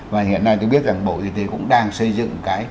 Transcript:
và hiện nay tôi biết bộ y tế cũng đang xây dựng